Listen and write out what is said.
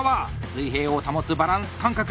水平を保つバランス感覚。